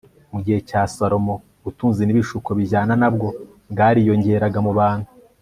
mu gihe cya salomo, ubutunzi n'ibishuko bijyana na bwo bwariyongeraga mu bantu